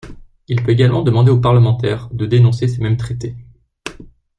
Il peut également demander aux parlementaires de dénoncer ces mêmes traités.